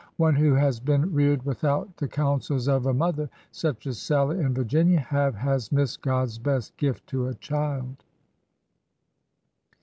" One who has been reared without the coun sels of a mother such as Sallie and Virginia have, has missed God's best gift to a child."